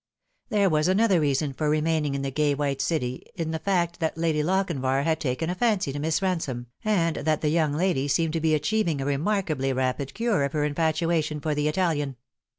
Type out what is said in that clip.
282 The Fatal Three. There was another reason for remaining in the gay white city in the iact that Lady Lochinv ir had taken a iancy to Jliss Ransome, and that the youug lady seemed to be achieving a remarkably rapid cure of her infatuation for the Italian.